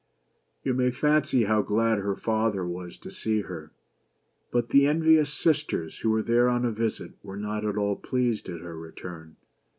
You may fancy how glad her father was to see her. But 99 ;,* v BEAUTY AND THE BEAST. the envious sisters, who were there on a visit, were not at all pleased at her return.